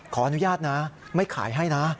ขออนุญาตนะไม่ขายให้นะ